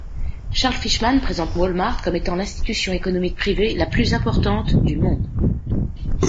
Charles Fishman présente Walmart comme étant l'institution économique privée la plus importante du monde.